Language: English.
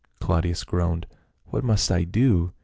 Claudius groaned. "What must I do?"